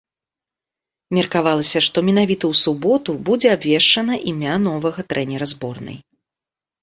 Меркавалася, што менавіта ў суботу будзе абвешчана імя новага трэнера зборнай.